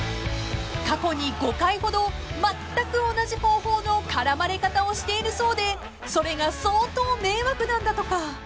［過去に５回ほどまったく同じ方法の絡まれ方をしているそうでそれが相当迷惑なんだとか］